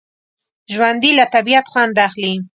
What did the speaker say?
ژوندي له طبعیت خوند اخلي